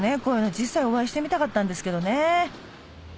こういうの実際お会いしてみたかったんですけどね